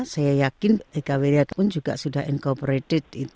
saya yakin ika wiria pun sudah incorporated